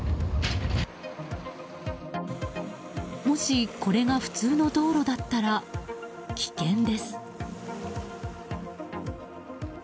もし、これが普通の道路だったら危険です。